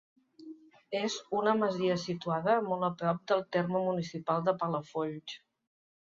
És una masia situada molt a prop del terme municipal de Palafolls.